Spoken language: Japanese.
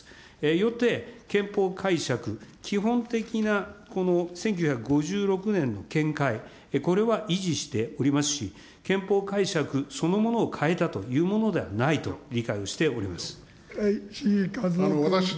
よって、憲法解釈、基本的なこの１９５６年の見解、これは維持しておりますし、憲法解釈そのものを変えたというものではないと理解をしておりま志位和夫君。